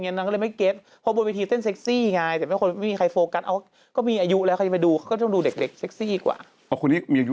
นั่งบนพระจันทร์ตกมาแต่หายุ่งเลย